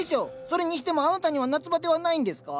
それにしてもあなたには夏バテはないんですか？